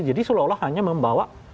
jadi seolah olah hanya membawa